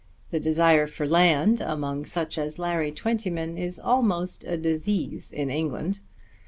The desire for land among such as Larry Twentyman is almost a disease in England.